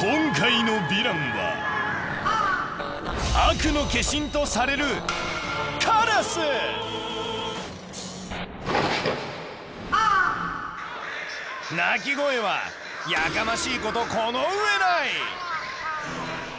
今回のヴィランは悪の化身とされる鳴き声はやかましいことこの上ない。